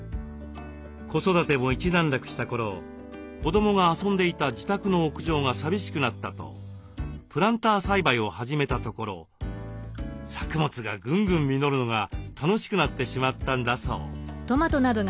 子育ても一段落した頃子どもが遊んでいた自宅の屋上が寂しくなったとプランター栽培を始めたところ作物がぐんぐん実るのが楽しくなってしまったんだそう。